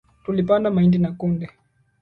Tulipanda mahindi na kunde